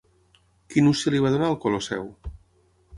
Quin ús se li va donar al Colosseu?